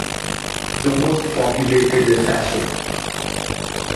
The most populated is Asso.